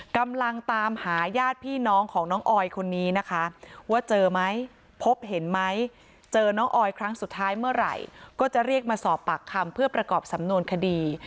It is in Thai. กำลังตามหาญาติพี่น้องของน้องออยคนนี้นะคะว่าเจอไหมพบเห็นไหมเจอน้องออยครั้งสุดท้ายเมื่อไหร่ก็จะเรียกมาสอบปากคำเพื่อประกอบสำนวนคดี